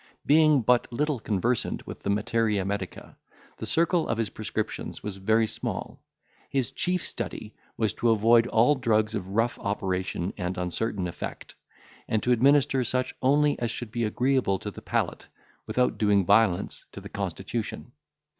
Being but little conversant with the materia medica, the circle of his prescriptions was very small; his chief study was to avoid all drugs of rough operation and uncertain effect, and to administer such only as should be agreeable to the palate, without doing violence to the constitution.